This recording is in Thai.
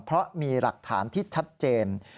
เพราะมีหลักฐานที่ชัดเจน